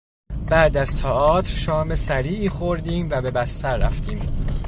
بعد از تئاتر شام سریعی خوردیم و به بستر رفتیم.